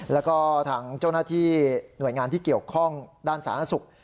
แล้วก็ทางเจ้าหน้าที่หน่วยงานที่เกี่ยวข้องด้านสาธารณสุข